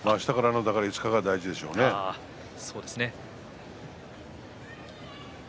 明日からの５日間が大事でしょうね。